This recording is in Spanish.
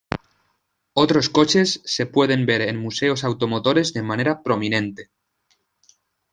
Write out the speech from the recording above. Otros coches se pueden ver en museos automotores de manera prominente.